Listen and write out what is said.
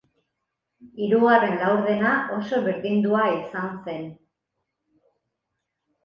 Hirugarren laurdena oso berdindua izan zen.